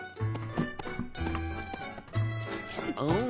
うん。